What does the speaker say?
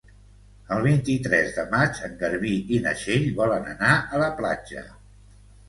El vint-i-tres de maig en Garbí i na Txell volen anar a la platja.